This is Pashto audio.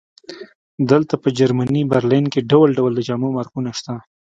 دلته په جرمني برلین کې ډول ډول د جامو مارکونه شته